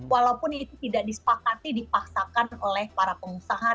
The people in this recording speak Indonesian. walaupun itu tidak disepakati dipaksakan oleh para pengusaha